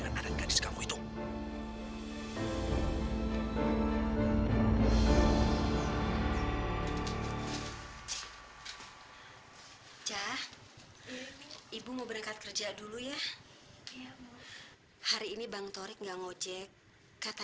seperti ini mas lumpung mengurang mengurang segala